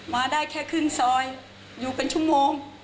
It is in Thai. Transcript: มาได้แค่ขึ้นซอยอยู่เป็นชั่วโมง